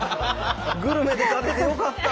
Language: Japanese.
グルメで勝ててよかった。